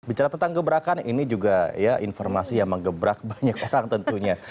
bicara tentang gebrakan ini juga ya informasi yang mengebrak banyak orang tentunya